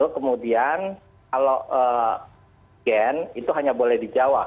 kemudian kalau antigen itu hanya boleh di jawa